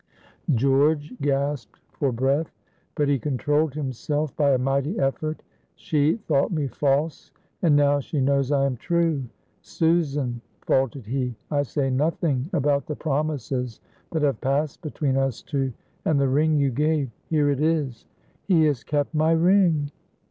George gasped for breath, but he controlled himself by a mighty effort. "She thought me false, and now she knows I am true. Susan," faltered he, "I say nothing about the promises that have passed between us two, and the ring you gave. Here it is." "He has kept my ring!"